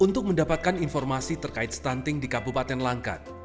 untuk mendapatkan informasi terkait stunting di kabupaten langkat